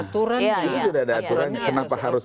itu sudah ada aturan kenapa harus